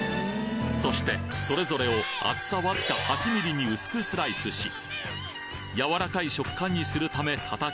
そしてそれぞれを厚さわずか８ｍｍに薄くスライスし柔らかい食感にするため叩き